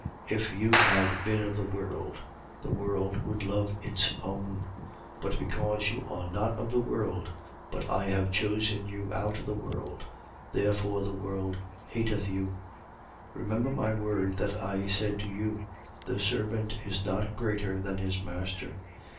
15:19. If you had been of the world, the world would love its own: but because you are not of the world, but I have chosen you out of the world, therefore the world hateth you. 15:20. Remember my word that I said to you: The servant is not greater than his master.